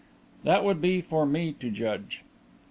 "That would be for me to judge."